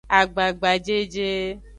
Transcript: Agbagbajeje.